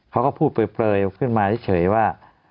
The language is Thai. เขาก็พูดเปลยขึ้นมาเฉยว่า